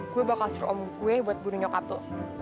gue bakal suruh om gue buat bunuh nyokap lo